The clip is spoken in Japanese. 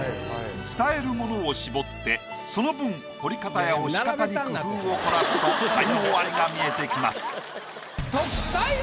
伝えるものを絞ってその分彫り方や押し方に工夫を凝らすと才能アリが見えてきます。